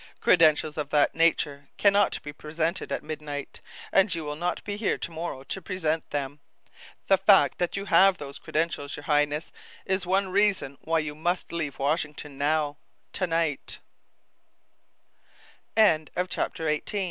"Credentials of that nature can not be presented at midnight, and you will not be here to morrow to present them. The fact that you have those credentials, your Highness, is one reason why you must leave Washington now, to nig